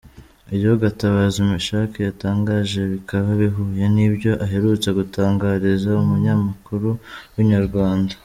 Ibyo Gatabazi Mechack yatangaje bikaba bihuye n’ibyo aherutse gutangariza umunyamakuru wa Inyarwanda.